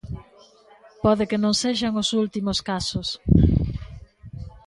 Pode que non sexan os últimos casos.